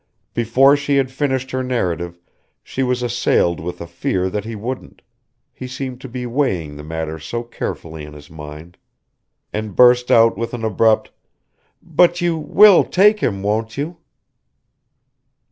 Before she had finished her narrative she was assailed with a fear that he wouldn't he seemed to be weighing the matter so carefully in his mind and burst out with an abrupt: "But you will take him, won't you?"